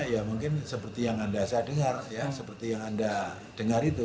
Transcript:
ya mungkin seperti yang anda saya dengar ya seperti yang anda dengar itu